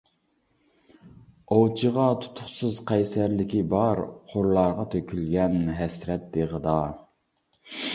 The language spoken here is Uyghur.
ئوۋچىغا تۇتۇقسىز قەيسەرلىكى بار قۇرلارغا تۆكۈلگەن ھەسرەت دېغىدا.